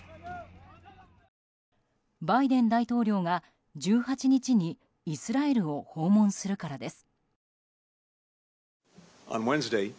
バイデン大統領が１８日にイスラエルを訪問するからです。